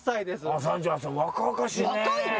若いね！